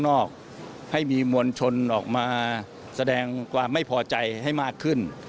วิธีแสดงออก